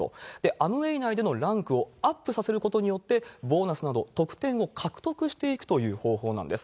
アムウェイ内でのランクをアップさせることによって、ボーナスなど得点を獲得していくという方法なんです。